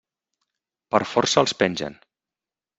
Per força els pengen.